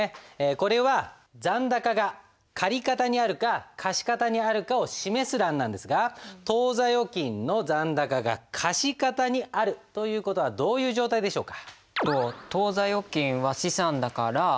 これは残高が借方にあるか貸方にあるかを示す欄なんですが当座預金の残高が貸方にあるという事はどういう状態でしょうか？